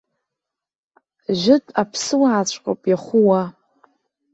Жәытә аԥсыуааҵәҟьоуп иаху уа.